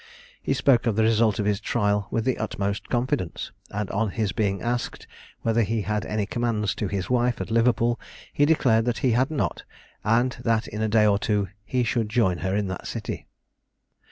He spoke of the result of his trial with the utmost confidence; and on his being asked whether he had any commands to his wife at Liverpool, he declared that he had not, and that in a day or two he should join her in that city.